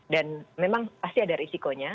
dan memang pasti ada risikonya